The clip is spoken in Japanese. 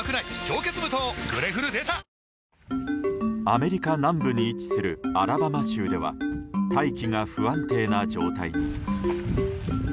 アメリカ南部に位置するアラバマ州では大気が不安定な状態に。